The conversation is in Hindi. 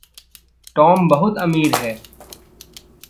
टॉम बहुत अमीर है।